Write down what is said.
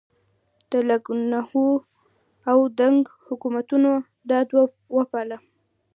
د لکنهو او دکن حکومتونو دا دود وپاله.